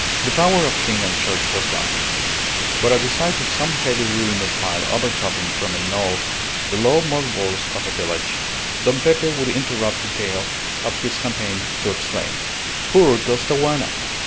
The power of king and church was gone, but at the sight of some heavy ruinous pile overtopping from a knoll the low mud walls of a village, Don Pepe would interrupt the tale of his campaigns to exclaim "Poor Costaguana!